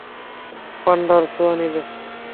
পান্ডার ছোঁয়া নিলে।